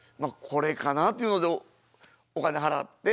これかな？というのでお金払って。